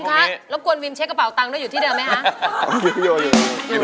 มิมคะแล้วคุณวิมเช็คกระเป๋าตังได้อยู่ที่เดิมไหมฮะ